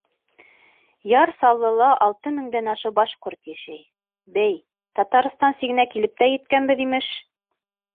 Яр Саллыла алты меңдән ашыу башҡорт йәшәй....Бәй, Татарстан сигенә килеп тә еткәнбеҙ, имеш.